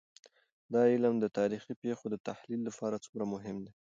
دا علم د تاريخي پېښو د تحلیل لپاره څومره مهم دی؟